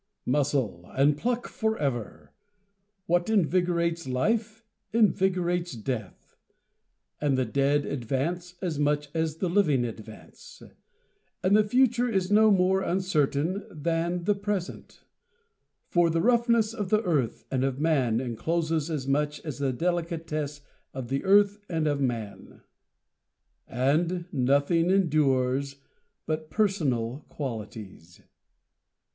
4 Muscle and pluck forever! What invigorates life invigorates death, And the dead advance as much as the living advance, And the future is no more uncertain than the present, For the roughness of the earth and of man encloses as much as the delicatesse of the earth and of man, And nothing endures but personal qualities.